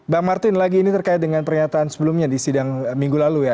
bang martin lagi ini terkait dengan pernyataan sebelumnya di sidang minggu lalu ya